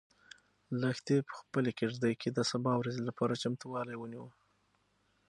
لښتې په خپلې کيږدۍ کې د سبا ورځې لپاره چمتووالی ونیو.